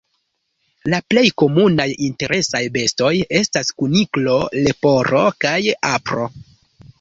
La plej komunaj interesaj bestoj estas kuniklo, leporo kaj apro.